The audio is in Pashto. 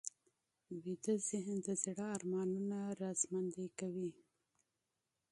ویده ذهن د زړه ارمانونه راژوندي کوي